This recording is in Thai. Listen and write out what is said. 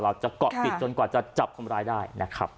เราจะเกาะติดจนกว่าจะจับคนร้ายได้นะครับ